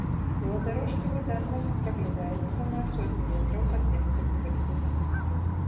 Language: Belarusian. Веладарожка выдатна праглядаецца на сотню метраў ад месца выпадку.